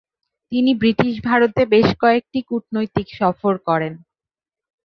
তিনি ব্রিটিশ ভারতে বেশ কয়েকটি কূটনৈতিক সফর করেন।